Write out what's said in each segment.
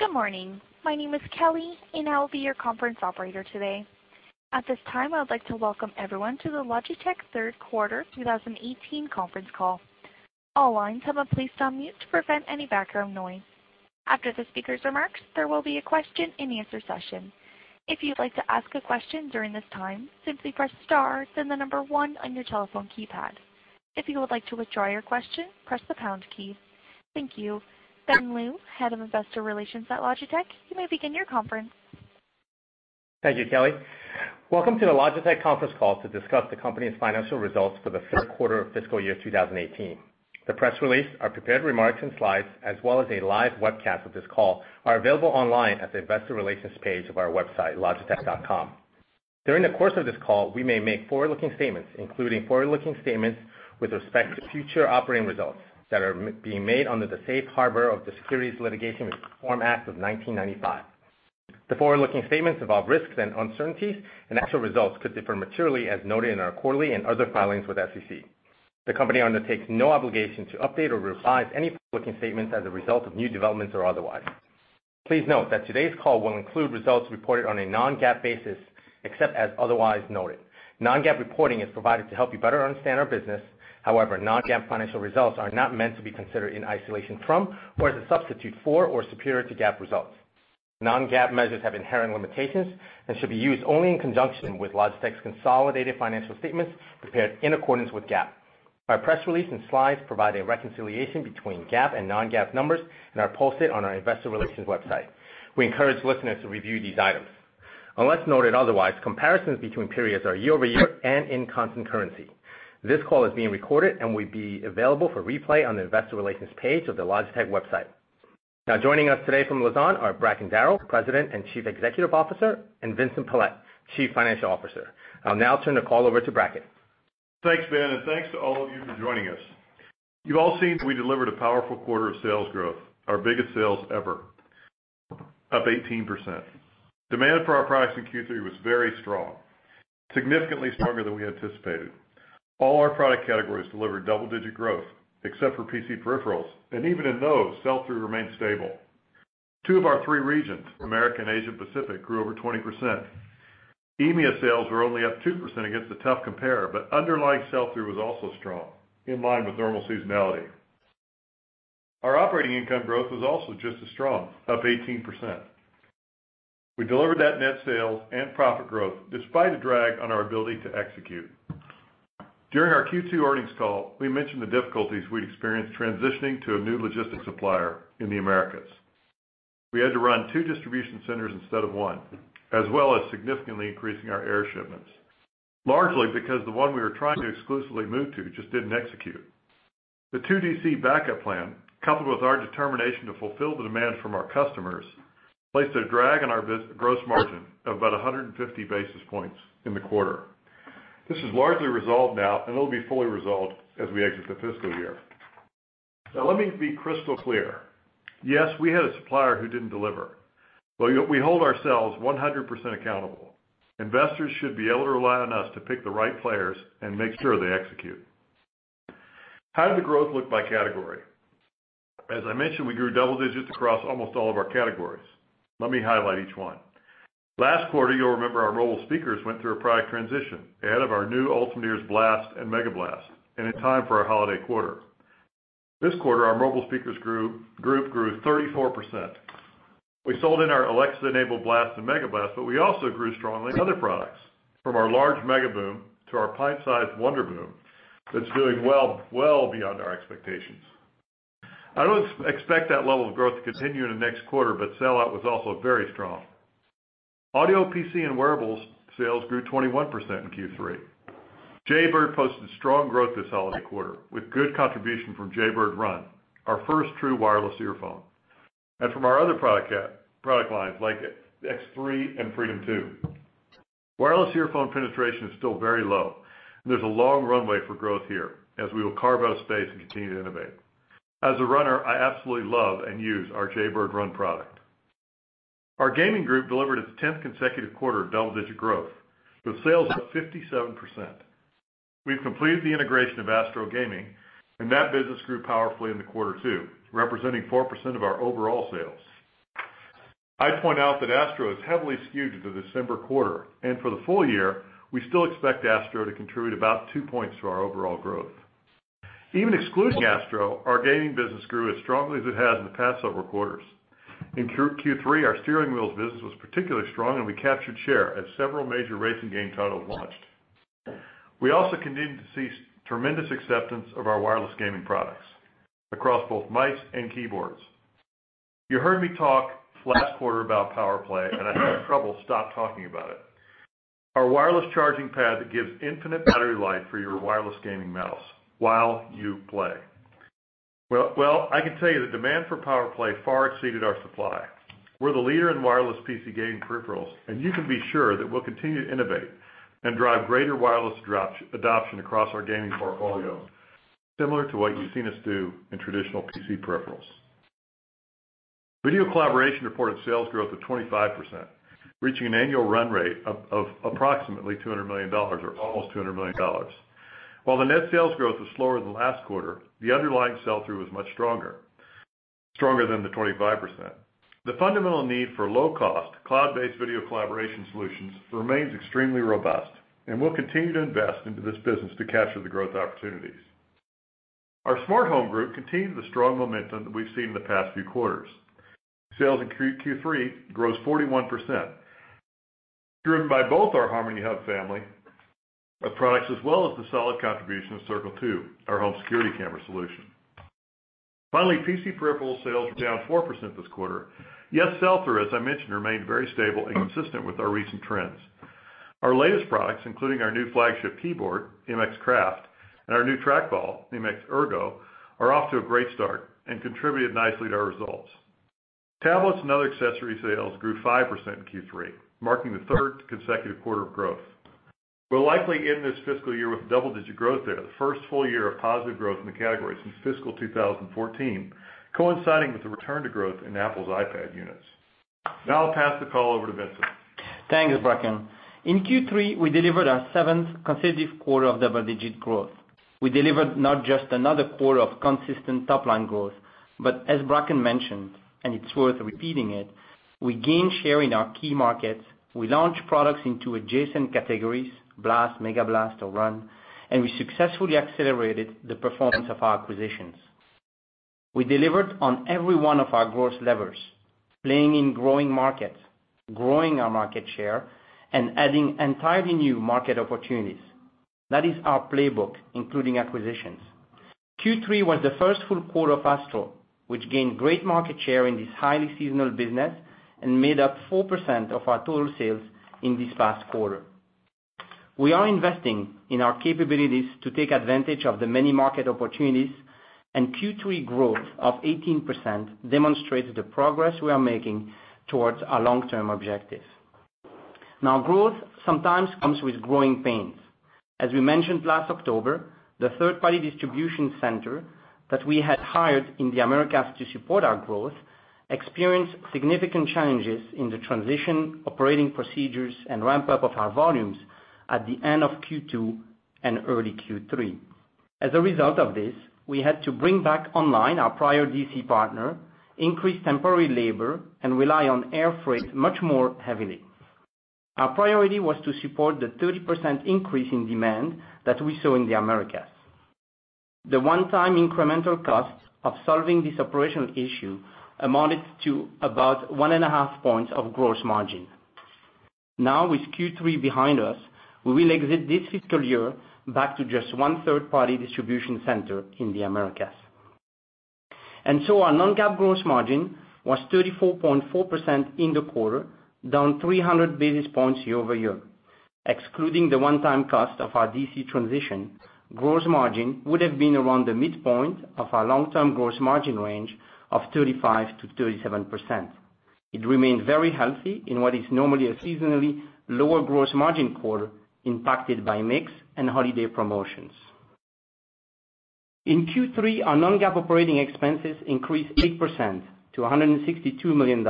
Good morning. My name is Kelly, and I will be your conference operator today. At this time, I would like to welcome everyone to the Logitech third quarter 2018 conference call. All lines have been placed on mute to prevent any background noise. After the speaker's remarks, there will be a question and answer session. If you'd like to ask a question during this time, simply press star, then the number 1 on your telephone keypad. If you would like to withdraw your question, press the pound key. Thank you. Ben Lu, Head of Investor Relations at Logitech, you may begin your conference. Thank you, Kelly. Welcome to the Logitech conference call to discuss the company's financial results for the third quarter of fiscal year 2018. The press release, our prepared remarks and slides, as well as a live webcast of this call, are available online at the investor relations page of our website, logitech.com. During the course of this call, we may make forward-looking statements, including forward-looking statements with respect to future operating results that are being made under the safe harbor of the Private Securities Litigation Reform Act of 1995. The forward-looking statements involve risks and uncertainties, and actual results could differ materially as noted in our quarterly and other filings with SEC. The company undertakes no obligation to update or revise any forward-looking statements as a result of new developments or otherwise. Please note that today's call will include results reported on a non-GAAP basis, except as otherwise noted. Non-GAAP reporting is provided to help you better understand our business. However, non-GAAP financial results are not meant to be considered in isolation from, or as a substitute for, or superior to GAAP results. Non-GAAP measures have inherent limitations and should be used only in conjunction with Logitech's consolidated financial statements prepared in accordance with GAAP. Our press release and slides provide a reconciliation between GAAP and non-GAAP numbers and are posted on our investor relations website. We encourage listeners to review these items. Unless noted otherwise, comparisons between periods are year-over-year and in constant currency. This call is being recorded and will be available for replay on the investor relations page of the Logitech website. Now joining us today from Lausanne are Bracken Darrell, President and Chief Executive Officer, and Vincent Pilette, Chief Financial Officer. I'll now turn the call over to Bracken. Thanks, Ben, and thanks to all of you for joining us. You've all seen that we delivered a powerful quarter of sales growth, our biggest sales ever, up 18%. Demand for our products in Q3 was very strong, significantly stronger than we anticipated. All our product categories delivered double-digit growth except for PC peripherals, and even in those, sell-through remained stable. Two of our three regions, Americas and Asia Pacific, grew over 20%. EMEA sales were only up 2% against a tough compare, but underlying sell-through was also strong, in line with normal seasonality. Our operating income growth was also just as strong, up 18%. We delivered that net sales and profit growth despite a drag on our ability to execute. During our Q2 earnings call, we mentioned the difficulties we'd experienced transitioning to a new logistics supplier in the Americas. We had to run two distribution centers instead of one, as well as significantly increasing our air shipments, largely because the one we were trying to exclusively move to just didn't execute. The 2 DC backup plan, coupled with our determination to fulfill the demand from our customers, placed a drag on our gross margin of about 150 basis points in the quarter. This is largely resolved now, and it'll be fully resolved as we exit the fiscal year. Let me be crystal clear. Yes, we had a supplier who didn't deliver. We hold ourselves 100% accountable. Investors should be able to rely on us to pick the right players and make sure they execute. How did the growth look by category? As I mentioned, we grew double digits across almost all of our categories. Let me highlight each one. Last quarter, you'll remember our mobile speakers went through a product transition, ahead of our new Ultimate Ears BLAST and MEGABLAST, and in time for our holiday quarter. This quarter, our mobile speakers group grew 34%. We sold in our Alexa-enabled BLAST and MEGABLAST. We also grew strongly in other products, from our large MEGABOOM to our pint-sized WONDERBOOM that's doing well beyond our expectations. I don't expect that level of growth to continue into next quarter. Sell-out was also very strong. Audio PC and wearables sales grew 21% in Q3. Jaybird posted strong growth this holiday quarter, with good contribution from Jaybird RUN, our first true wireless earphone, and from our other product lines like X3 and Freedom 2. Wireless earphone penetration is still very low, and there's a long runway for growth here as we will carve out space and continue to innovate. As a runner, I absolutely love and use our Jaybird RUN product. Our gaming group delivered its 10th consecutive quarter of double-digit growth, with sales up 57%. We've completed the integration of Astro Gaming. That business grew powerfully in the quarter too, representing 4% of our overall sales. I'd point out that Astro is heavily skewed to the December quarter, and for the full year, we still expect Astro to contribute about 2 points to our overall growth. Even excluding Astro, our gaming business grew as strongly as it has in the past several quarters. In Q3, our steering wheels business was particularly strong. We captured share as several major racing game titles launched. We also continue to see tremendous acceptance of our wireless gaming products across both mice and keyboards. You heard me talk last quarter about POWERPLAY. I have trouble stop talking about it. Our wireless charging pad that gives infinite battery life for your wireless gaming mouse while you play. I can tell you the demand for POWERPLAY far exceeded our supply. We're the leader in wireless PC gaming peripherals. You can be sure that we'll continue to innovate and drive greater wireless adoption across our gaming portfolio, similar to what you've seen us do in traditional PC peripherals. Video collaboration reported sales growth of 25%, reaching an annual run rate of approximately $200 million or almost $200 million. While the net sales growth was slower than last quarter, the underlying sell-through was much stronger than the 25%. The fundamental need for low-cost, cloud-based video collaboration solutions remains extremely robust. We'll continue to invest into this business to capture the growth opportunities. Our smart home group continued the strong momentum that we've seen in the past few quarters. Sales in Q3 grew 41%, driven by both our Harmony Hub family of products as well as the solid contribution of Circle 2, our home security camera solution. Finally, PC peripheral sales were down 4% this quarter, yet sell-through, as I mentioned, remained very stable and consistent with our recent trends. Our latest products, including our new flagship keyboard, MX Craft, and our new trackball, MX Ergo, are off to a great start and contributed nicely to our results. Tablets and other accessory sales grew 5% in Q3, marking the third consecutive quarter of growth. We'll likely end this fiscal year with double-digit growth there. The first full year of positive growth in the category since fiscal 2014, coinciding with the return to growth in Apple's iPad units. I'll pass the call over to Vincent. Thanks, Bracken. In Q3, we delivered our seventh consecutive quarter of double-digit growth. We delivered not just another quarter of consistent top-line growth, but as Bracken mentioned, and it's worth repeating it, we gained share in our key markets. We launched products into adjacent categories, BLAST, MEGABLAST, or Jaybird RUN, and we successfully accelerated the performance of our acquisitions. We delivered on every one of our growth levers, playing in growing markets, growing our market share, and adding entirely new market opportunities. That is our playbook, including acquisitions. Q3 was the first full quarter of Astro, which gained great market share in this highly seasonal business and made up 4% of our total sales in this past quarter. We are investing in our capabilities to take advantage of the many market opportunities, and Q3 growth of 18% demonstrates the progress we are making towards our long-term objective. Growth sometimes comes with growing pains. As we mentioned last October, the third-party distribution center that we had hired in the Americas to support our growth experienced significant challenges in the transition, operating procedures, and ramp-up of our volumes at the end of Q2 and early Q3. As a result of this, we had to bring back online our prior DC partner, increase temporary labor, and rely on air freight much more heavily. Our priority was to support the 30% increase in demand that we saw in the Americas. The one-time incremental cost of solving this operational issue amounted to about one and a half points of gross margin. With Q3 behind us, we will exit this fiscal year back to just one third-party distribution center in the Americas. Our non-GAAP gross margin was 34.4% in the quarter, down 300 basis points year-over-year. Excluding the one-time cost of our DC transition, gross margin would have been around the midpoint of our long-term gross margin range of 35%-37%. It remained very healthy in what is normally a seasonally lower gross margin quarter impacted by mix and holiday promotions. In Q3, our non-GAAP operating expenses increased 8% to CHF 162 million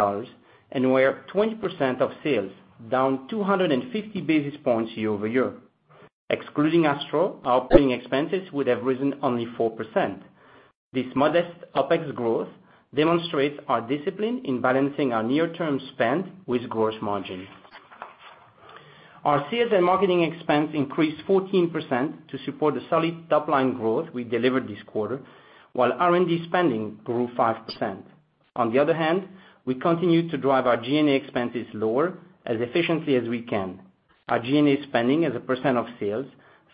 and were 20% of sales, down 250 basis points year-over-year. Excluding Astro, our operating expenses would have risen only 4%. This modest OPEX growth demonstrates our discipline in balancing our near-term spend with gross margin. Our sales and marketing expense increased 14% to support the solid top-line growth we delivered this quarter, while R&D spending grew 5%. On the other hand, we continued to drive our G&A expenses lower as efficiently as we can. Our G&A spending as a percent of sales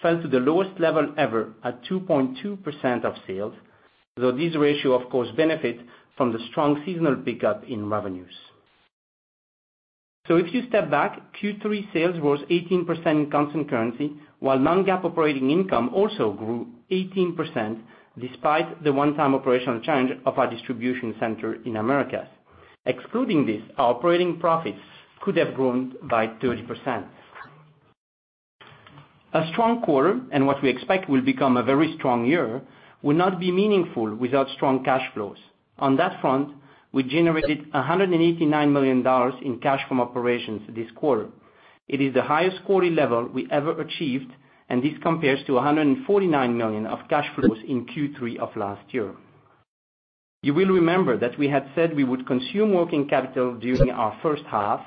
fell to the lowest level ever at 2.2% of sales, though this ratio, of course, benefit from the strong seasonal pickup in revenues. If you step back, Q3 sales rose 18% in constant currency, while non-GAAP operating income also grew 18%, despite the one-time operational challenge of our distribution center in Americas. Excluding this, our operating profits could have grown by 30%. A strong quarter and what we expect will become a very strong year, will not be meaningful without strong cash flows. On that front, we generated CHF 189 million in cash from operations this quarter. It is the highest quarterly level we ever achieved, and this compares to 149 million of cash flows in Q3 of last year. You will remember that we had said we would consume working capital during our first half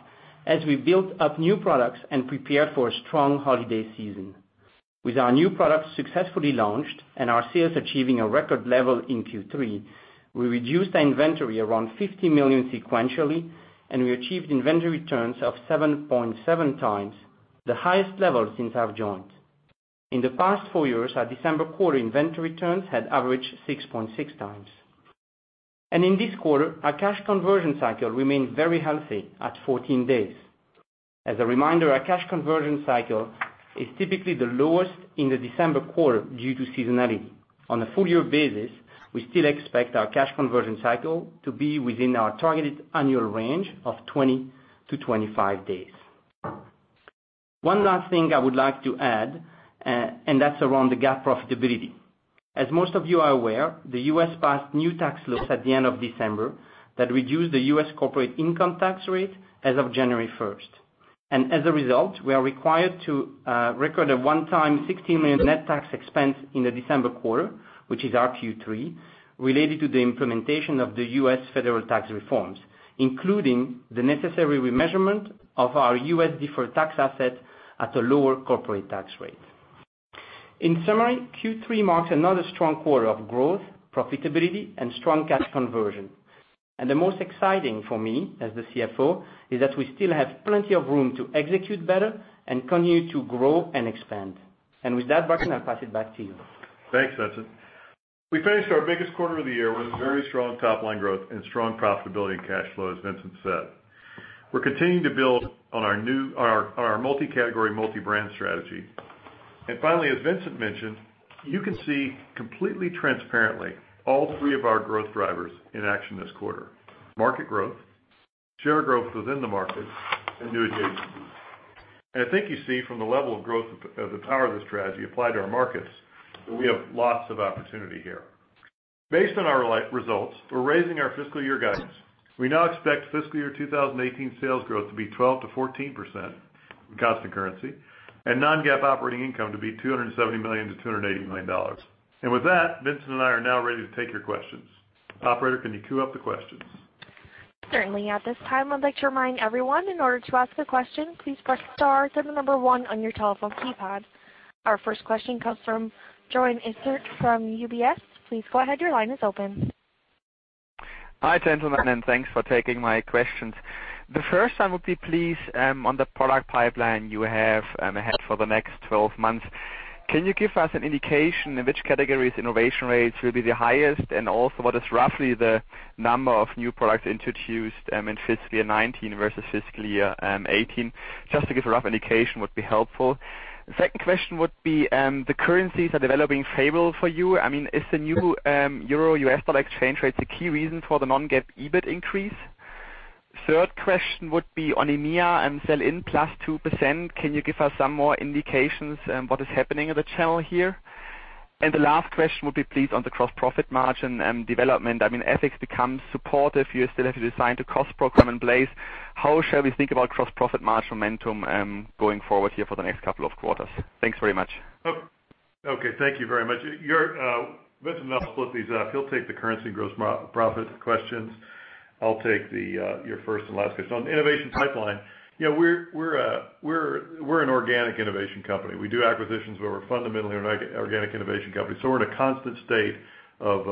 as we built up new products and prepared for a strong holiday season. With our new products successfully launched and our sales achieving a record level in Q3, we reduced our inventory around 50 million sequentially, and we achieved inventory turns of 7.7 times, the highest level since I've joined. In the past four years, our December quarter inventory turns had averaged 6.6 times. In this quarter, our cash conversion cycle remains very healthy at 14 days. As a reminder, our cash conversion cycle is typically the lowest in the December quarter due to seasonality. On a full-year basis, we still expect our cash conversion cycle to be within our targeted annual range of 20 to 25 days. One last thing I would like to add, and that's around the GAAP profitability. As most of you are aware, the U.S. passed new tax laws at the end of December that reduced the U.S. corporate income tax rate as of January 1st. As a result, we are required to record a one-time 60 million net tax expense in the December quarter, which is our Q3, related to the implementation of the U.S. federal tax reforms, including the necessary remeasurement of our U.S. deferred tax asset at a lower corporate tax rate. In summary, Q3 marks another strong quarter of growth, profitability, and strong cash conversion. The most exciting for me, as the CFO, is that we still have plenty of room to execute better and continue to grow and expand. With that, Bracken, I'll pass it back to you. Thanks, Vincent. We finished our biggest quarter of the year with very strong top-line growth and strong profitability and cash flow, as Vincent said. We're continuing to build on our multi-category, multi-brand strategy. Finally, as Vincent mentioned, you can see completely transparently all three of our growth drivers in action this quarter, market growth, share growth within the market, and new adjacencies. I think you see from the level of growth of the power of this strategy applied to our markets, that we have lots of opportunity here. Based on our results, we're raising our fiscal year guidance. We now expect fiscal year 2018 sales growth to be 12%-14% in constant currency, and non-GAAP operating income to be $270 million-$280 million. With that, Vincent and I are now ready to take your questions. Operator, can you queue up the questions? Certainly. At this time, I'd like to remind everyone, in order to ask a question, please press star, then the number one on your telephone keypad. Our first question comes from Joern Iffert from UBS. Please go ahead, your line is open. Hi, gentlemen. Thanks for taking my questions. The first, I would be pleased, on the product pipeline you have ahead for the next 12 months. Can you give us an indication in which categories innovation rates will be the highest, and also what is roughly the number of new products introduced in fiscal year 2019 versus fiscal year 2018? Just to give a rough indication would be helpful. The second question would be, the currencies are developing favorable for you. Is the new euro-USD exchange rate the key reason for the non-GAAP EBIT increase? Third question would be on EMEA and sell-in +2%. Can you give us some more indications on what is happening in the channel here? The last question would be, please, on the gross profit margin development. FX becomes supportive. You still have to design the cost program in place. How shall we think about gross profit margin momentum going forward here for the next couple of quarters? Thanks very much. Okay. Thank you very much. Vincent and I will split these up. He'll take the currency gross profit questions. I'll take your first and last question. On the innovation pipeline, we're an organic innovation company. We do acquisitions, but we're fundamentally an organic innovation company. We're in a constant state of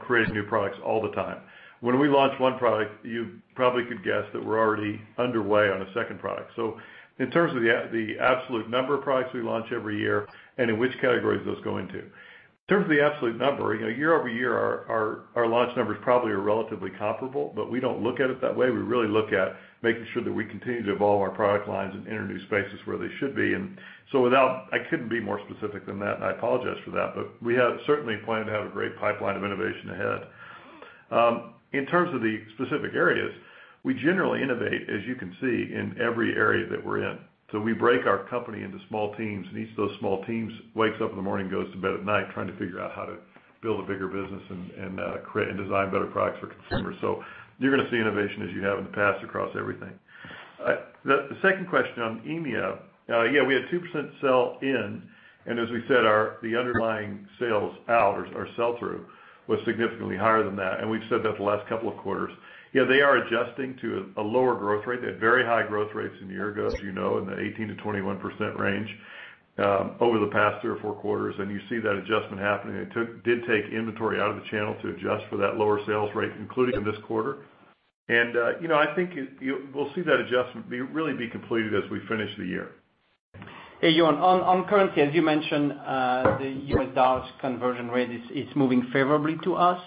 creating new products all the time. When we launch one product, you probably could guess that we're already underway on a second product. In terms of the absolute number of products we launch every year and in which categories those go into. In terms of the absolute number, year-over-year, our launch numbers probably are relatively comparable, but we don't look at it that way. We really look at making sure that we continue to evolve our product lines and enter new spaces where they should be. I couldn't be more specific than that, I apologize for that, but we have certainly planned to have a great pipeline of innovation ahead. In terms of the specific areas, we generally innovate, as you can see, in every area that we're in. We break our company into small teams, each of those small teams wakes up in the morning, and goes to bed at night trying to figure out how to build a bigger business and design better products for consumers. You're going to see innovation as you have in the past across everything. The second question on EMEA, we had 2% sell-in, and as we said, the underlying sales out or sell-through was significantly higher than that, and we've said that the last couple of quarters. They are adjusting to a lower growth rate. They had very high growth rates a year ago, as you know, in the 18%-21% range, over the past three or four quarters. You see that adjustment happening. It did take inventory out of the channel to adjust for that lower sales rate, including this quarter. I think we'll see that adjustment really be completed as we finish the year. Hey, Joern. On currency, as you mentioned, the U.S. dollars conversion rate is moving favorably to us.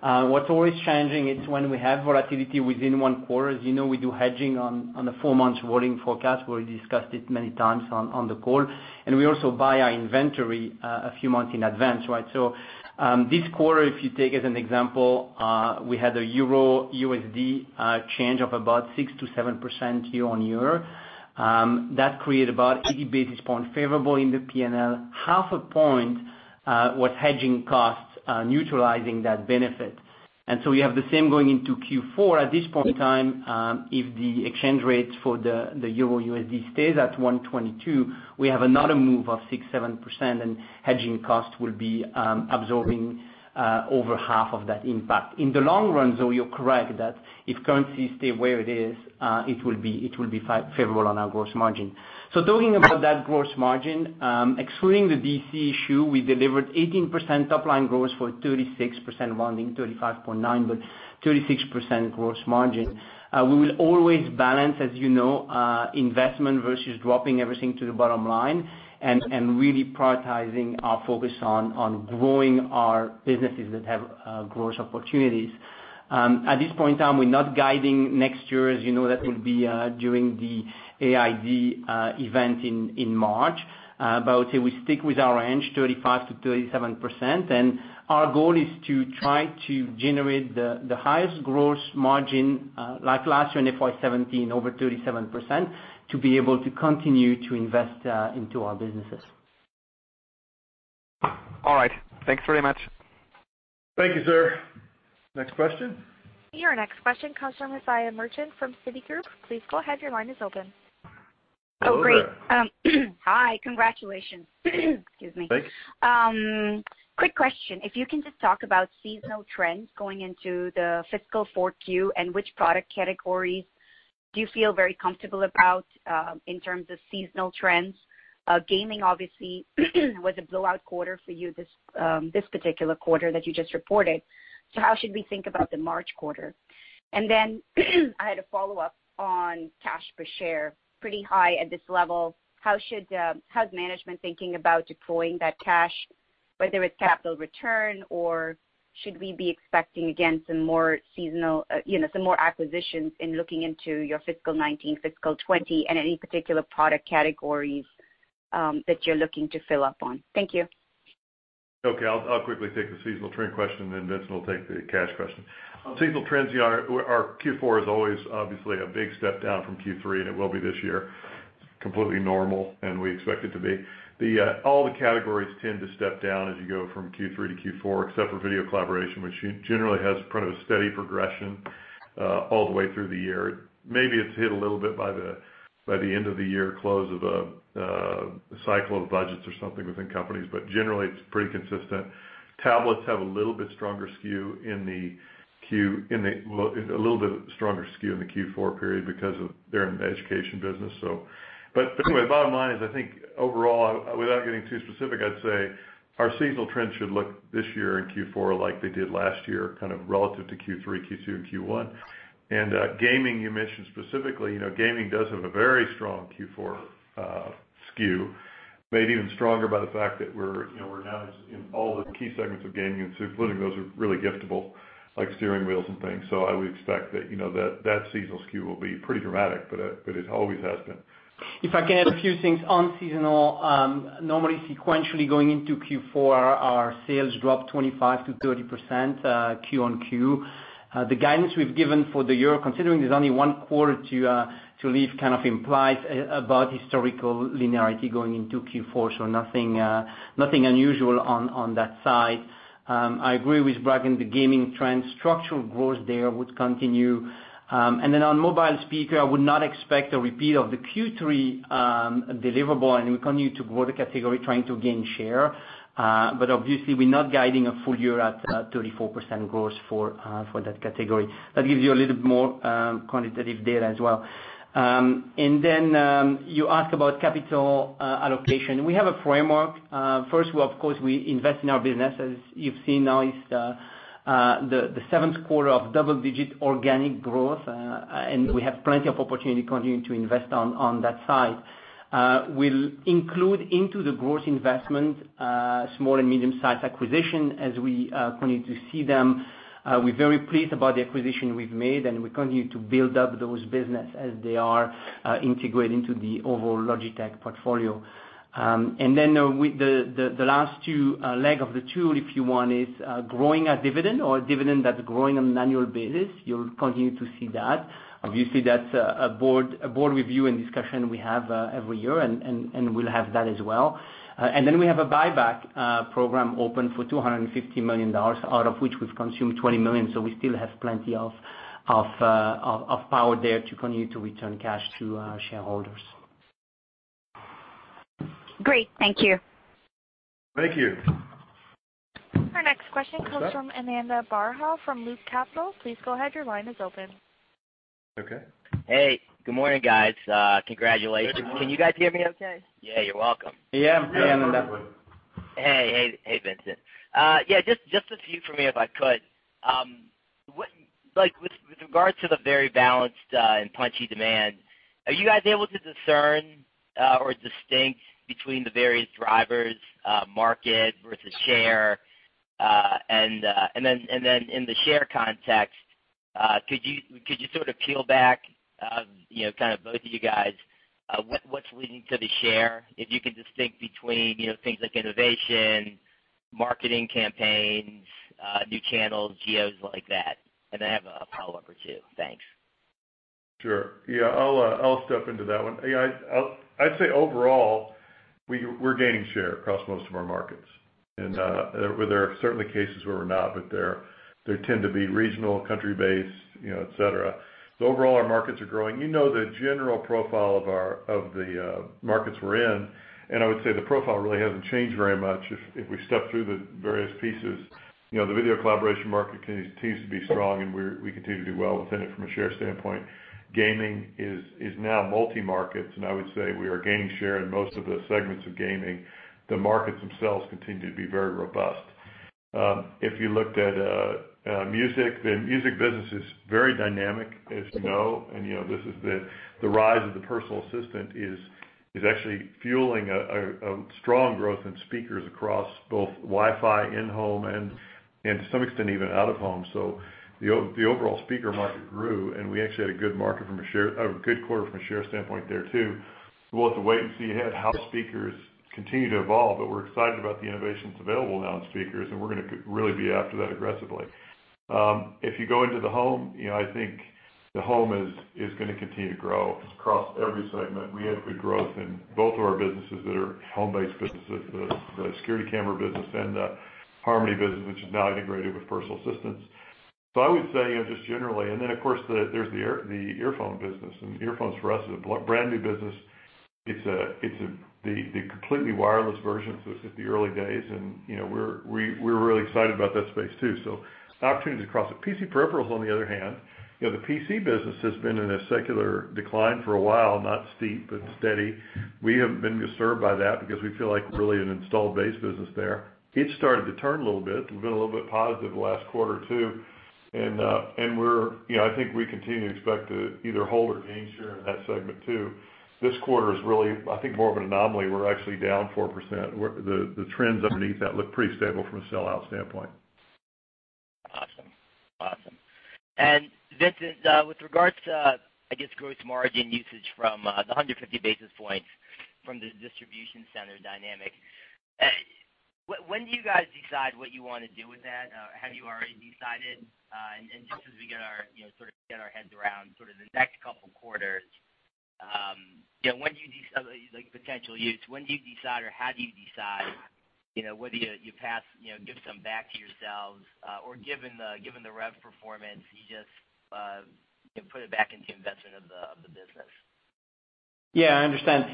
What's always changing is when we have volatility within one quarter. As you know, we do hedging on the four-month rolling forecast. We already discussed it many times on the call. We also buy our inventory a few months in advance, right? This quarter, if you take as an example, we had a euro-USD change of about 6%-7% year-on-year. That created about 80 basis points favorable in the P&L. Half a point was hedging costs, neutralizing that benefit. We have the same going into Q4. At this point in time, if the exchange rate for the euro-USD stays at 122, we have another move of 6%, 7%, and hedging costs will be absorbing over half of that impact. In the long run, though, you're correct that if currency stay where it is, it will be favorable on our gross margin. Talking about that gross margin, excluding the DC issue, we delivered 18% top-line growth for 36%, rounding 35.9%, but 36% gross margin. We will always balance, as you know, investment versus dropping everything to the bottom line and really prioritizing our focus on growing our businesses that have growth opportunities. At this point in time, we're not guiding next year, as you know, that will be during the AID event in March. I would say we stick with our range, 35%-37%, and our goal is to try to generate the highest gross margin, like last year in FY 2017, over 37%, to be able to continue to invest into our businesses. All right. Thanks very much. Thank you, sir. Next question. Your next question comes from Asiya Merchant from Citigroup. Please go ahead. Your line is open. Oh, great. Hello there. Hi. Congratulations. Excuse me. Thanks. Quick question. If you can just talk about seasonal trends going into the fiscal 4Q, and which product categories do you feel very comfortable about in terms of seasonal trends? Gaming obviously was a blowout quarter for you this particular quarter that you just reported. How should we think about the March quarter? Then I had a follow-up on cash per share. Pretty high at this level. How's management thinking about deploying that cash, whether it's capital return, or should we be expecting, again, some more seasonal, some more acquisitions in looking into your fiscal 2019, fiscal 2020 and any particular product categories that you're looking to fill up on? Thank you. Okay. I'll quickly take the seasonal trend question. Then Vincent will take the cash question. On seasonal trends, our Q4 is always obviously a big step down from Q3. It will be this year. It's completely normal. We expect it to be. All the categories tend to step down as you go from Q3 to Q4, except for video collaboration, which generally has part of a steady progression all the way through the year. Maybe it's hit a little bit by the end of the year close of a cycle of budgets or something within companies. Generally it's pretty consistent. Tablets have a little bit stronger skew in the Q4 period because they're in the education business. Anyway, bottom line is, I think overall, without getting too specific, I'd say our seasonal trends should look this year in Q4 like they did last year, kind of relative to Q3, Q2, and Q1. Gaming, you mentioned specifically, gaming does have a very strong Q4 skew, made even stronger by the fact that we're now in all the key segments of gaming, including those who are really giftable, like steering wheels and things. I would expect that seasonal skew will be pretty dramatic, but it always has been. If I can add a few things on seasonal. Normally sequentially going into Q4, our sales drop 25%-30% Q-on-Q. The guidance we've given for the year, considering there's only one quarter to leave kind of implied about historical linearity going into Q4, nothing unusual on that side. I agree with Bracken, the gaming trend structural growth there would continue. On mobile speaker, I would not expect a repeat of the Q3 deliverable, we continue to grow the category trying to gain share. Obviously we're not guiding a full year at 34% growth for that category. That gives you a little more quantitative data as well. You ask about capital allocation. We have a framework. First of course, we invest in our business, as you've seen now, it's the seventh quarter of double-digit organic growth, we have plenty of opportunity continuing to invest on that side. We'll include into the growth investment, small and medium-sized acquisition as we continue to see them. We're very pleased about the acquisition we've made, we continue to build up those business as they are integrated into the overall Logitech portfolio. The last two leg of the tool, if you want is growing a dividend or a dividend that's growing on an annual basis. You'll continue to see that. Obviously, that's a board review and discussion we have every year, we'll have that as well. We have a buyback program open for CHF 250 million, out of which we've consumed 20 million, we still have plenty of power there to continue to return cash to our shareholders. Great. Thank you. Thank you. Our next question comes from Ananda Baruah from Loop Capital. Please go ahead. Your line is open. Okay. Hey, good morning, guys. Congratulations. Good morning. Can you guys hear me okay? Yeah, you're welcome. Hey, Ananda. Hey. Hey, Vincent Pilette. Just a few from me, if I could. With regards to the very balanced and punchy demand, are you guys able to discern or distinguish between the various drivers, market versus share? Then in the share context, could you sort of peel back, kind of both of you guys, what's leading to the share? If you could distinguish between things like innovation, marketing campaigns, new channels, geos like that. I have a follow-up or two. Thanks. Sure. Yeah, I'll step into that one. I'd say overall, we're gaining share across most of our markets. There are certainly cases where we're not, but they tend to be regional, country-based, et cetera. Overall, our markets are growing. You know the general profile of the markets we're in, and I would say the profile really hasn't changed very much if we step through the various pieces. The video collaboration market continues to be strong, and we continue to do well within it from a share standpoint. Gaming is now multi-markets, and I would say we are gaining share in most of the segments of Gaming. The markets themselves continue to be very robust. If you looked at music, the music business is very dynamic, as you know. The rise of the personal assistant is actually fueling a strong growth in speakers across both Wi-Fi, in-home, and to some extent, even out of home. The overall speaker market grew, and we actually had a good quarter from a share standpoint there too. We'll have to wait and see ahead how speakers continue to evolve, but we're excited about the innovations available now in speakers, and we're going to really be after that aggressively. If you go into the home, I think the home is going to continue to grow across every segment. We had good growth in both of our businesses that are home-based businesses, the security camera business and the Harmony business, which is now integrated with personal assistants. I would say, just generally. Of course, there's the earphone business, and earphones for us is a brand-new business. It's the completely wireless version, it's just the early days and we're really excited about that space, too. Opportunities across it. PC peripherals, on the other hand, the PC business has been in a secular decline for a while, not steep, but steady. We have been disturbed by that because we feel like we're really an installed base business there. It's started to turn a little bit. We've been a little bit positive the last quarter, too, and I think we continue to expect to either hold or gain share in that segment, too. This quarter is really, I think, more of an anomaly. We're actually down 4%. The trends underneath that look pretty stable from a sellout standpoint. Awesome. Vincent, with regards to, I guess, gross margin usage from the 150 basis points from the distribution center dynamic, when do you guys decide what you want to do with that? Have you already decided? Just as we get our heads around sort of the next couple quarters, like potential use, when do you decide or how do you decide whether you give some back to yourselves? Given the rev performance, you just put it back into investment of the business. Yeah, I understand.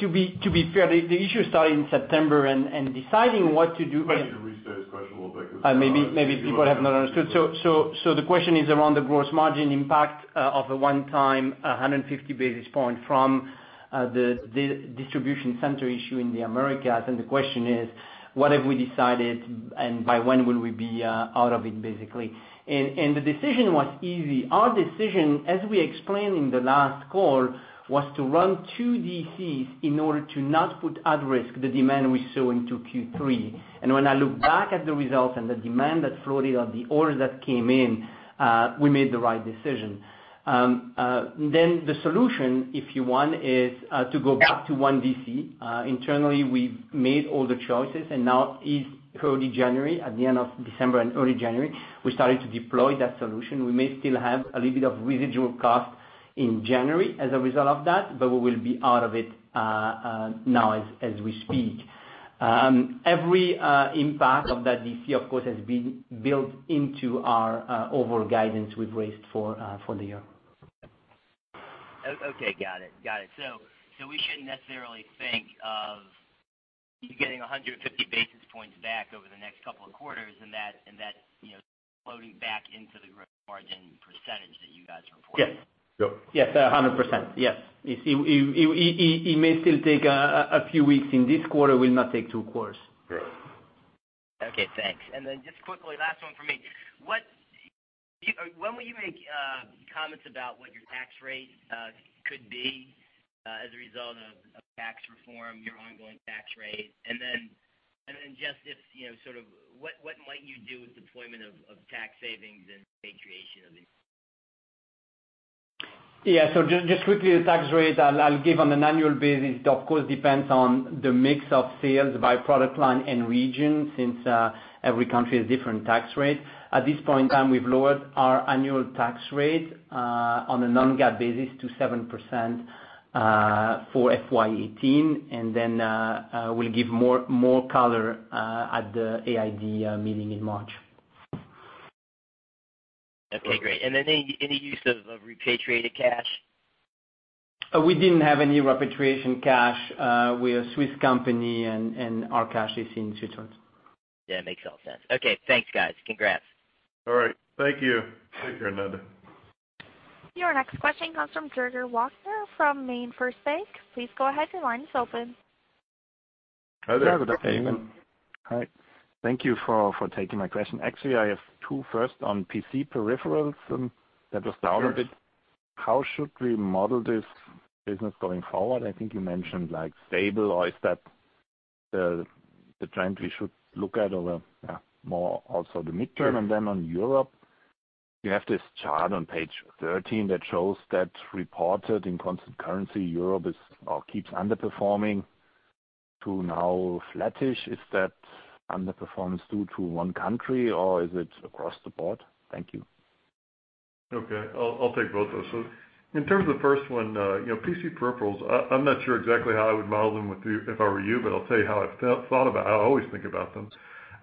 To be fair, the issue started in September and deciding what to do. Can I just restate his question real quick because. Maybe people have not understood. The question is around the gross margin impact of a one-time 150 basis point from the distribution center issue in the Americas, the question is, what have we decided and by when will we be out of it, basically. The decision was easy. Our decision, as we explained in the last call, was to run 2 DCs in order to not put at risk the demand we saw into Q3. When I look back at the results and the demand that floated or the orders that came in, we made the right decision. The solution, if you want, is to go back to 1 DC. Internally, we've made all the choices, and now it is early January. At the end of December and early January, we started to deploy that solution. We may still have a little bit of residual cost in January as a result of that, but we will be out of it now as we speak. Every impact of that DC, of course, has been built into our overall guidance we've raised for the year. Okay, got it. We shouldn't necessarily think of you getting 150 basis points back over the next couple of quarters and that floating back into the gross margin percentage that you guys reported. Yes. Yep. Yes, 100%. Yes. It may still take a few weeks in this quarter, will not take two quarters. Great. Okay, thanks. Just quickly, last one from me. When will you make comments about what your tax rate could be as a result of tax reform, your ongoing tax rate? Just sort of what might you do with deployment of tax savings and repatriation of it? Yeah. Just quickly, the tax rate, I'll give on an annual basis. It, of course, depends on the mix of sales by product line and region, since every country has different tax rates. At this point in time, we've lowered our annual tax rate on a non-GAAP basis to 7% for FY 2018, and then we'll give more color at the AID meeting in March. Okay, great. Any use of repatriated cash? We didn't have any repatriation cash. We're a Swiss company, and our cash is in Switzerland. Yeah, makes a lot of sense. Okay, thanks, guys. Congrats. All right. Thank you. Take care now. Your next question comes from Joerg Walcher from MainFirst Bank. Please go ahead. Your line is open. Hi there. Yeah, good afternoon. Hi. Thank you for taking my question. Actually, I have two. First, on PC peripherals, that was down a bit. How should we model this business going forward? I think you mentioned stable, or is that the trend we should look at over more also the midterm? Sure. On Europe, you have this chart on page 13 that shows that reported in constant currency, Europe keeps underperforming to now flattish. Is that underperformance due to one country, or is it across the board? Thank you. Okay. I'll take both those. In terms of the first one, PC peripherals, I'm not sure exactly how I would model them if I were you, but I'll tell you how I've thought about how I always think about them.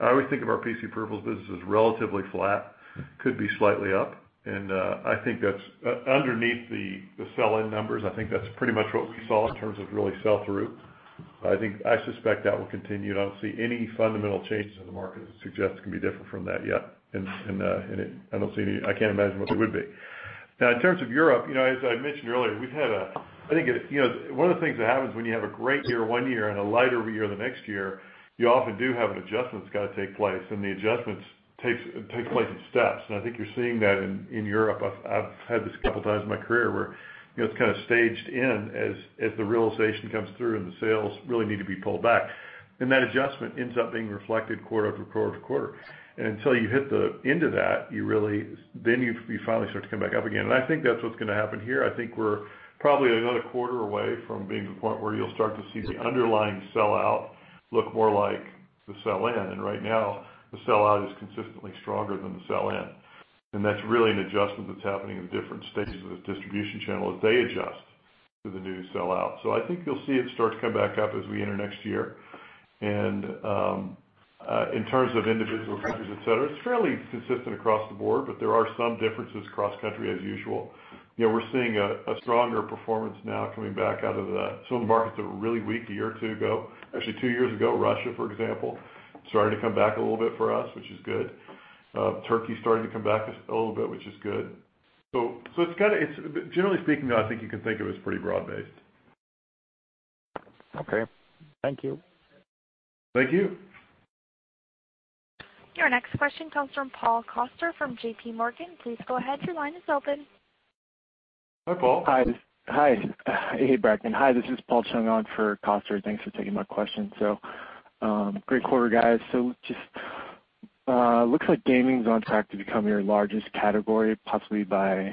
I always think of our PC peripherals business as relatively flat, could be slightly up. Underneath the sell-in numbers, I think that's pretty much what we saw in terms of really sell-through. I suspect that will continue. I don't see any fundamental changes in the market that suggest it can be different from that yet, and I can't imagine what they would be. In terms of Europe, as I mentioned earlier, one of the things that happens when you have a great year one year and a lighter year the next year, you often do have an adjustment that's got to take place, and the adjustments takes place in steps. I think you're seeing that in Europe. I've had this a couple of times in my career where it's kind of staged in as the realization comes through and the sales really need to be pulled back. That adjustment ends up being reflected quarter over quarter over quarter. Until you hit the end of that, then you finally start to come back up again. I think that's what's going to happen here. I think we're probably another quarter away from being to the point where you'll start to see the underlying sell-out look more like the sell-in, right now the sell-out is consistently stronger than the sell-in. That's really an adjustment that's happening in different stages of the distribution channel as they adjust to the new sell-out. I think you'll see it start to come back up as we enter next year. In terms of individual countries, et cetera, it's fairly consistent across the board, but there are some differences cross-country as usual. We're seeing a stronger performance now coming back out of some of the markets that were really weak a year or two ago. Actually, two years ago, Russia, for example, starting to come back a little bit for us, which is good. Turkey's starting to come back a little bit, which is good. Generally speaking, I think you can think of it as pretty broad-based. Okay. Thank you. Thank you. Your next question comes from Paul Coster from JPMorgan. Please go ahead, your line is open. Hi, Paul. Hi. Hey, Bracken. Hi, this is Paul Chung on for Coster. Thanks for taking my question. Great quarter, guys. Just looks like gaming is on track to become your largest category, possibly by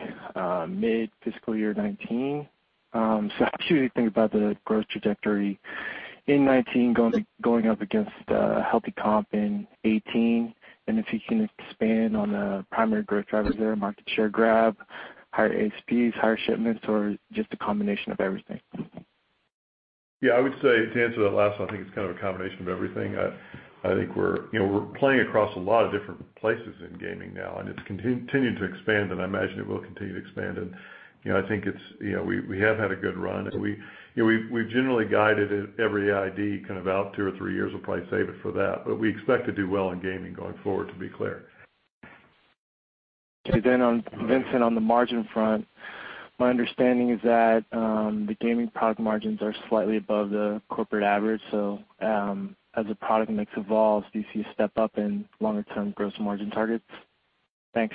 mid-fiscal year 2019. How do you think about the growth trajectory in 2019 going up against a healthy comp in 2018? If you can expand on the primary growth drivers there, market share grab, higher ASPs, higher shipments, or just a combination of everything? I would say to answer that last one, I think it's kind of a combination of everything. I think we're playing across a lot of different places in gaming now, and it's continuing to expand, and I imagine it will continue to expand. I think we have had a good run, and we've generally guided every ID out two or three years. We'll probably save it for that. We expect to do well in gaming going forward, to be clear. Vincent, on the margin front, my understanding is that the gaming product margins are slightly above the corporate average. As the product mix evolves, do you see a step up in longer-term gross margin targets? Thanks.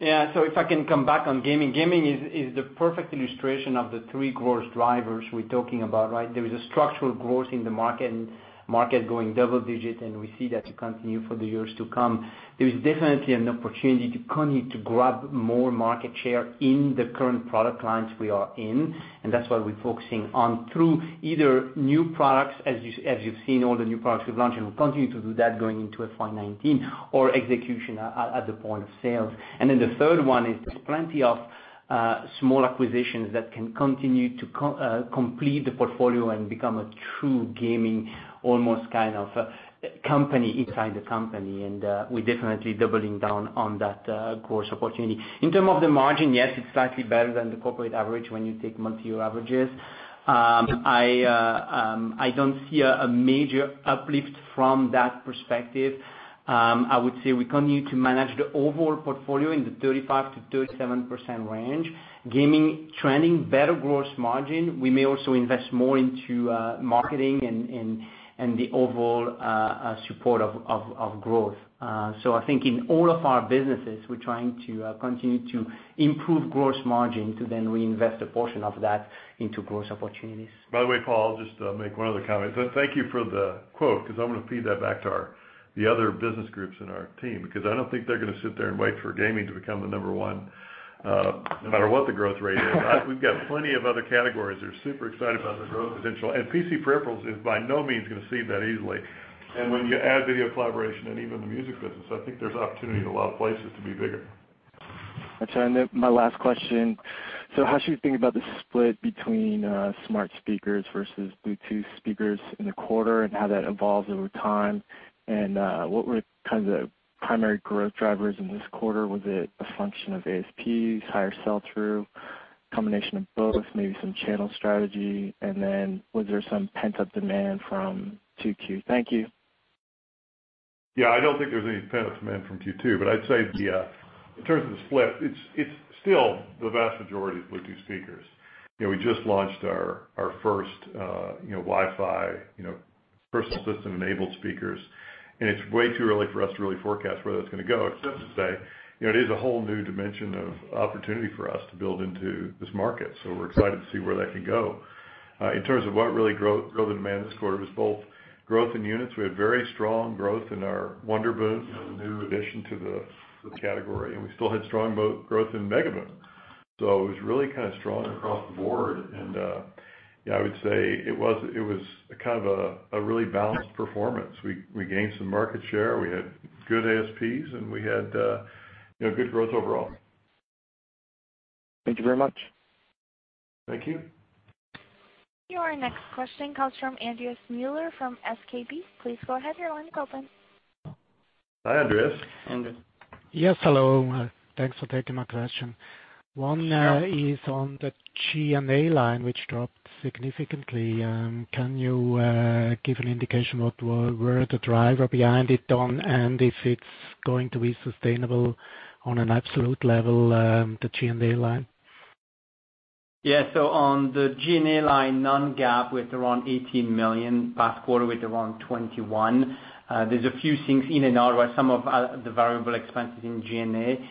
Yeah. If I can come back on gaming. Gaming is the perfect illustration of the three growth drivers we're talking about, right? There is a structural growth in the market and market growing double digit, and we see that to continue for the years to come. There is definitely an opportunity to continue to grab more market share in the current product lines we are in, and that's why we're focusing on through either new products, as you've seen all the new products we've launched, and we'll continue to do that going into FY 2019, or execution at the point of sales. The third one is there's plenty of small acquisitions that can continue to complete the portfolio and become a true gaming, almost kind of company inside the company. We're definitely doubling down on that growth opportunity. In terms of the margin, yes, it's slightly better than the corporate average when you take multi-year averages. I don't see a major uplift from that perspective. I would say we continue to manage the overall portfolio in the 35%-37% range. Gaming trending better gross margin, we may also invest more into marketing and the overall support of growth. I think in all of our businesses, we're trying to continue to improve gross margin to then reinvest a portion of that into growth opportunities. By the way, Paul, I'll just make one other comment. Thank you for the quote, because I'm going to feed that back to the other business groups in our team, because I don't think they're going to sit there and wait for gaming to become the number one, no matter what the growth rate is. We've got plenty of other categories that are super excited about the growth potential, and PC peripherals is by no means going to cede that easily. When you add video collaboration and even the music business, I think there's opportunity in a lot of places to be bigger. I turn to my last question. How should we think about the split between smart speakers versus Bluetooth speakers in the quarter and how that evolves over time? What were the primary growth drivers in this quarter? Was it a function of ASPs, higher sell-through, combination of both, maybe some channel strategy? Was there some pent-up demand from Q2? Thank you. Yeah, I don't think there was any pent-up demand from Q2. I'd say in terms of the split, it's still the vast majority is Bluetooth speakers. We just launched our first Wi-Fi personal system enabled speakers, and it's way too early for us to really forecast where that's going to go, except to say it is a whole new dimension of opportunity for us to build into this market. We're excited to see where that can go. In terms of what really drove the demand this quarter was both growth in units. We had very strong growth in our WONDERBOOM, a new addition to the category. We still had strong growth in MEGABOOM. It was really kind of strong across the board, and I would say it was a really balanced performance. We gained some market share, we had good ASPs. We had good growth overall. Thank you very much. Thank you. Your next question comes from Andreas Müller from ZKB. Please go ahead, your line is open. Hi, Andreas. Andreas. Yes, hello. Thanks for taking my question. One is on the G&A line, which dropped significantly. Can you give an indication of where the driver behind it, then, and if it's going to be sustainable on an absolute level, the G&A line? Yeah. On the G&A line, non-GAAP with around 18 million, past quarter with around 21. There's a few things in and out where some of the variable expenses in G&A.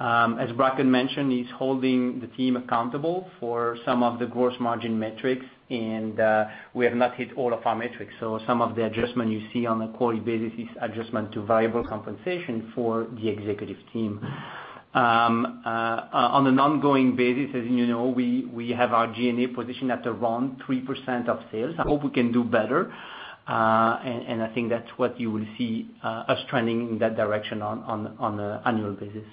As Bracken mentioned, he's holding the team accountable for some of the gross margin metrics, and we have not hit all of our metrics. Some of the adjustment you see on a quarterly basis is adjustment to variable compensation for the executive team. On an ongoing basis, as you know, we have our G&A position at around 3% of sales. I hope we can do better. I think that's what you will see us trending in that direction on an annual basis.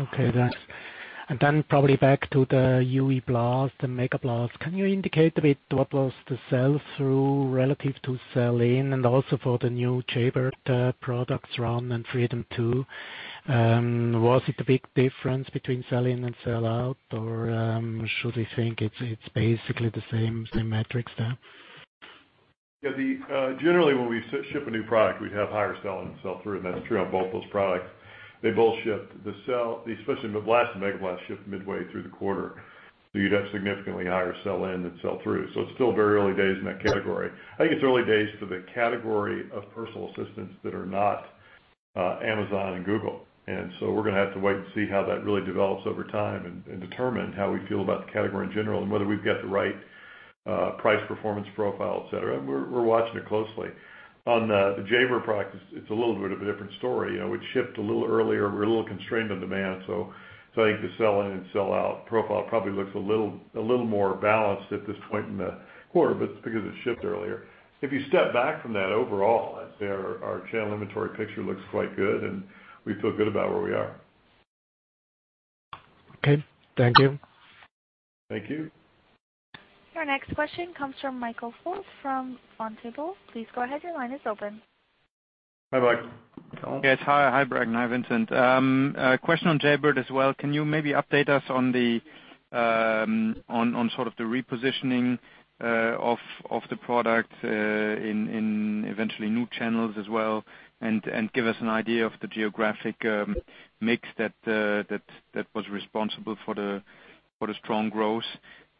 Okay, thanks. Probably back to the UE BLAST and MEGABLAST. Can you indicate a bit what was the sell-through relative to sell-in and also for the new Jaybird products, RUN and Freedom 2? Was it a big difference between sell-in and sell-out? Should we think it's basically the same metrics there? Yeah. Generally, when we ship a new product, we'd have higher sell-in and sell-through, and that's true on both those products. They both shipped. Especially the BLAST and MEGABLAST shipped midway through the quarter, so you'd have significantly higher sell-in than sell-through. It's still very early days in that category. I think it's early days for the category of personal assistants that are not Amazon and Google. We're going to have to wait and see how that really develops over time and determine how we feel about the category in general, and whether we've got the right price performance profile, et cetera. We're watching it closely. On the Jaybird product, it's a little bit of a different story. It shipped a little earlier. We're a little constrained on demand. I think the sell-in and sell-out profile probably looks a little more balanced at this point in the quarter, but it's because it shipped earlier. If you step back from that overall, I'd say our channel inventory picture looks quite good, and we feel good about where we are. Okay. Thank you. Thank you. Our next question comes from Michael Foeth from Vontobel. Please go ahead. Your line is open. Hi, Mike. Yes. Hi, Bracken. Hi, Vincent. Question on Jaybird as well. Can you maybe update us on sort of the repositioning of the product in eventually new channels as well and give us an idea of the geographic mix that was responsible for the strong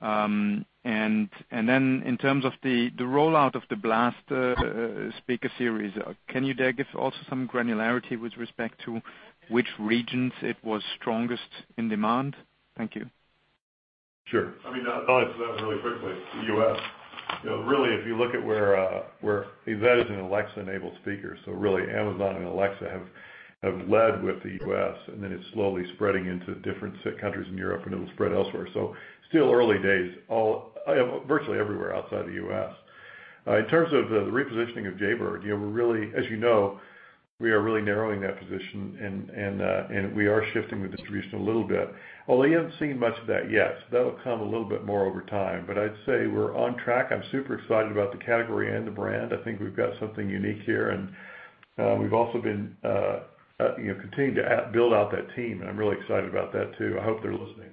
growth? Then in terms of the rollout of the BLAST speaker series, can you give also some granularity with respect to which regions it was strongest in demand? Thank you. Sure. I'll answer that really quickly. The U.S. Really, if you look at where that is an Alexa-enabled speaker, so really, Amazon and Alexa have led with the U.S., and then it's slowly spreading into different countries in Europe, and it'll spread elsewhere. Still early days virtually everywhere outside the U.S. In terms of the repositioning of Jaybird, as you know, we are really narrowing that position, and we are shifting the distribution a little bit, although you haven't seen much of that yet. That'll come a little bit more over time. I'd say we're on track. I'm super excited about the category and the brand. I think we've got something unique here, and we've also continued to build out that team, and I'm really excited about that too. I hope they're listening.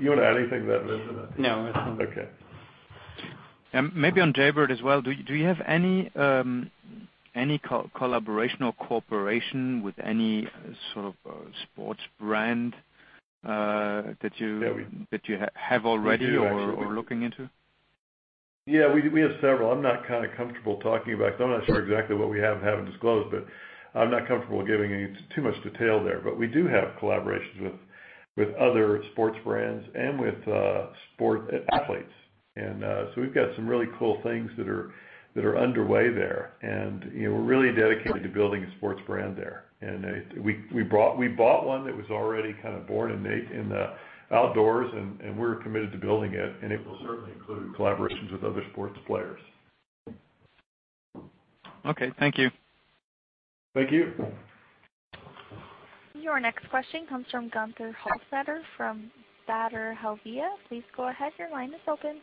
You want to add anything to that, Vincent? No. Okay. Maybe on Jaybird as well, do you have any collaboration or cooperation with any sort of sports brand that you have already or are looking into? Yeah, we have several. I'm not kind of comfortable talking about them. I'm not sure exactly what we have and haven't disclosed, but I'm not comfortable giving too much detail there. We do have collaborations with other sports brands and with athletes. We've got some really cool things that are underway there. We're really dedicated to building a sports brand there. We bought one that was already kind of born in the outdoors, and we're committed to building it, and it will certainly include collaborations with other sports players. Okay. Thank you. Thank you. Your next question comes from Gunther Hollfelder from Baader Helvea. Please go ahead. Your line is open.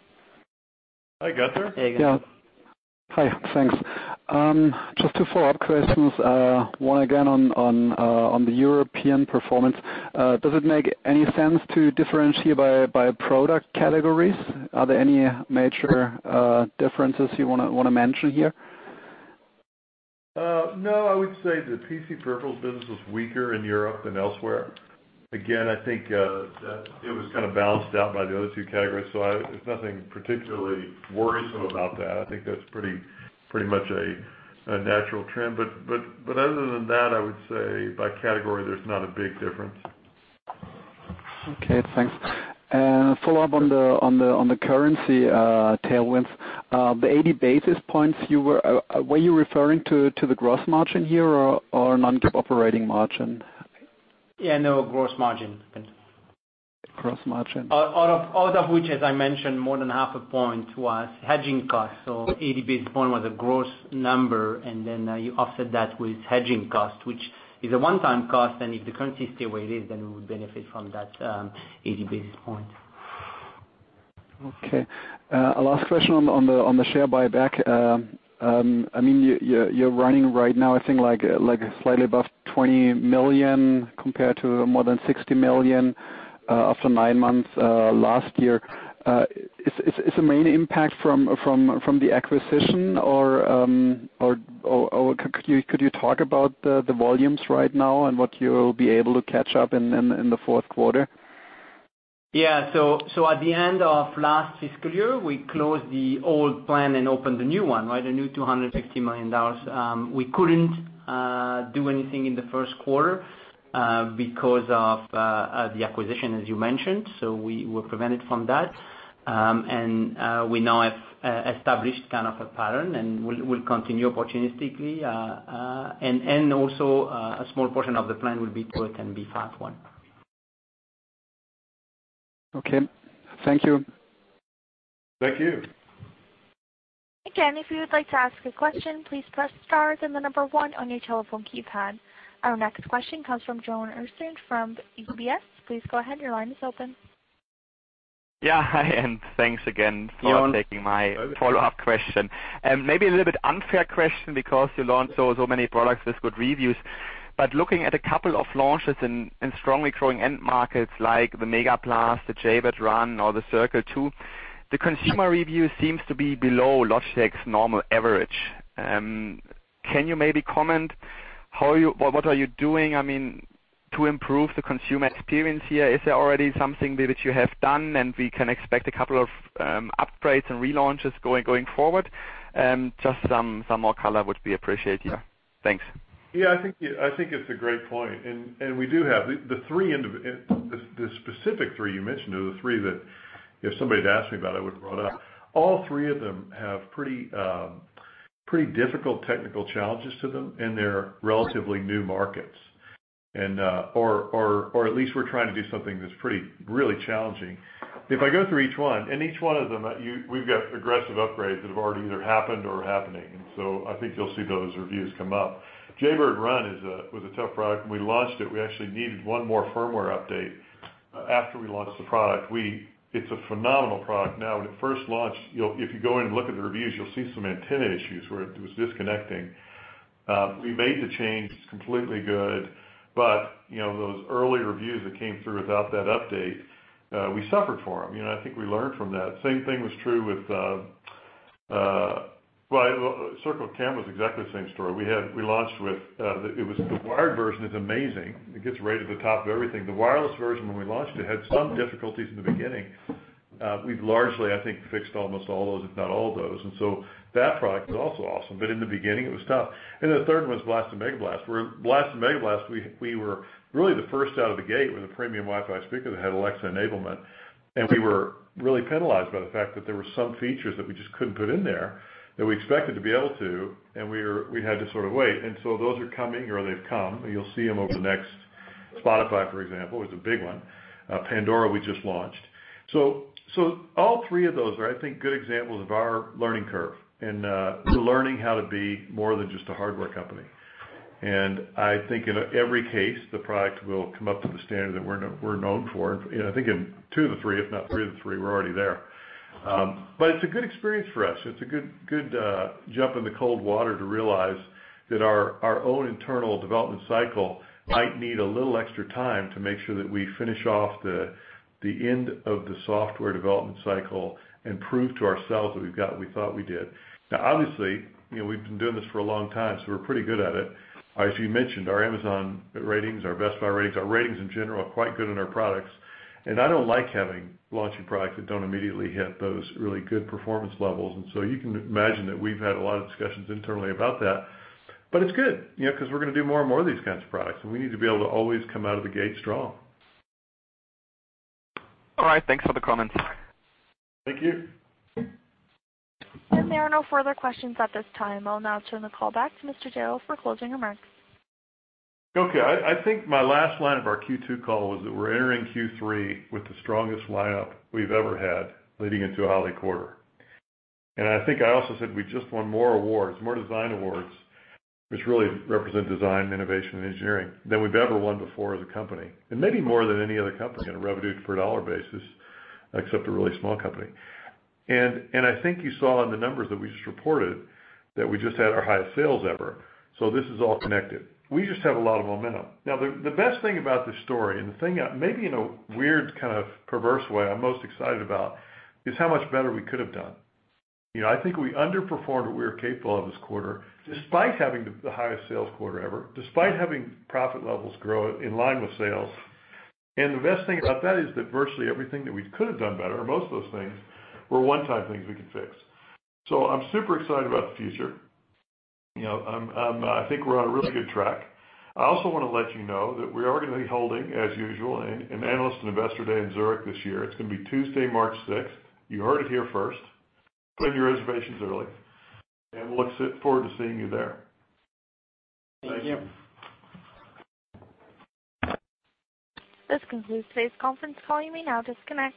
Hi, Gunther. Hey, Gunther. Yeah. Hi. Thanks. Just two follow-up questions. One again on the European performance. Does it make any sense to differentiate by product categories? Are there any major differences you want to mention here? No. I would say the PC peripherals business was weaker in Europe than elsewhere. Again, I think it was kind of balanced out by the other two categories. It's nothing particularly worrisome about that. I think that's pretty much a natural trend. Other than that, I would say by category, there's not a big difference. Okay, thanks. Follow-up on the currency tailwinds. The 80 basis points, were you referring to the gross margin here or non-GAAP operating margin? Yeah, no, gross margin. Gross margin. Out of which, as I mentioned, more than half a point was hedging costs. 80 basis point was a gross number. You offset that with hedging cost, which is a one-time cost. If the currency stay where it is, we would benefit from that 80 basis point. Okay. Last question on the share buyback. You're running right now, I think, slightly above 20 million compared to more than 60 million after nine months last year. Is the main impact from the acquisition, could you talk about the volumes right now and what you'll be able to catch up in the fourth quarter? Yeah. At the end of last fiscal year, we closed the old plan and opened the new one, right? The new CHF 260 million. We couldn't do anything in the first quarter Because of the acquisition, as you mentioned, so we were prevented from that. We now have established kind of a pattern, and we'll continue opportunistically. Also, a small portion of the plan will be toward 10b5-1. Okay. Thank you. Thank you. Again, if you would like to ask a question, please press star then the number one on your telephone keypad. Our next question comes from Joern Iffert from UBS. Please go ahead. Your line is open. Yeah. Hi, and thanks again for taking my follow-up question. Maybe a little bit unfair question because you launched so many products with good reviews. Looking at a couple of launches in strongly growing end markets like the MEGABLAST, the Jaybird RUN or the Circle 2, the consumer review seems to be below Logitech's normal average. Can you maybe comment what are you doing to improve the consumer experience here? Is there already something that you have done, and we can expect a couple of upgrades and relaunches going forward? Just some more color would be appreciated. Thanks. Yeah. I think it's a great point. The specific three you mentioned are the three that if somebody had asked me about it, I would've brought up. All three of them have pretty difficult technical challenges to them, and they're relatively new markets. At least we're trying to do something that's really challenging. If I go through each one, each one of them, we've got aggressive upgrades that have already either happened or are happening. I think you'll see those reviews come up. Jaybird RUN was a tough product. When we launched it, we actually needed one more firmware update after we launched the product. It's a phenomenal product now. When it first launched, if you go in and look at the reviews, you'll see some antenna issues where it was disconnecting. We made the change. It's completely good. Those early reviews that came through without that update, we suffered for them. I think we learned from that. Circle 2 was exactly the same story. The wired version is amazing. It gets rated at the top of everything. The wireless version, when we launched it, had some difficulties in the beginning. We've largely, I think, fixed almost all those, if not all of those. That product is also awesome, but in the beginning, it was tough. The third one was BLAST and MEGABLAST, where BLAST and MEGABLAST, we were really the first out of the gate with a premium Wi-Fi speaker that had Alexa enablement. We were really penalized by the fact that there were some features that we just couldn't put in there that we expected to be able to, and we had to sort of wait. Those are coming or they've come. You'll see them over the next. Spotify, for example, was a big one. Pandora, we just launched. All three of those are, I think, good examples of our learning curve and learning how to be more than just a hardware company. I think in every case, the product will come up to the standard that we're known for. I think in two of the three, if not three of the three, we're already there. It's a good experience for us. It's a good jump in the cold water to realize that our own internal development cycle might need a little extra time to make sure that we finish off the end of the software development cycle and prove to ourselves that we've got what we thought we did. Obviously, we've been doing this for a long time, so we're pretty good at it. As you mentioned, our Amazon ratings, our Best Buy ratings, our ratings in general are quite good on our products. I don't like launching products that don't immediately hit those really good performance levels. You can imagine that we've had a lot of discussions internally about that. It's good, because we're going to do more and more of these kinds of products, and we need to be able to always come out of the gate strong. All right. Thanks for the comments. Thank you. There are no further questions at this time. I'll now turn the call back to Mr. Darrell for closing remarks. Okay. I think my last line of our Q2 call was that we're entering Q3 with the strongest lineup we've ever had, leading into a holiday quarter. I think I also said we just won more awards, more design awards, which really represent design, innovation, and engineering, than we've ever won before as a company, and maybe more than any other company on a revenue per dollar basis, except a really small company. I think you saw in the numbers that we just reported that we just had our highest sales ever. This is all connected. We just have a lot of momentum. Now, the best thing about this story, and the thing maybe in a weird kind of perverse way I'm most excited about is how much better we could have done. I think we underperformed what we were capable of this quarter, despite having the highest sales quarter ever, despite having profit levels grow in line with sales. The best thing about that is that virtually everything that we could have done better, or most of those things, were one-time things we could fix. I'm super excited about the future. I think we're on a really good track. I also want to let you know that we are going to be holding, as usual, an Analyst and Investor Day in Zurich this year. It's going to be Tuesday, March 6th. You heard it here first. Put in your reservations early, and we'll look forward to seeing you there. Thank you. Thank you. This concludes today's conference call. You may now disconnect.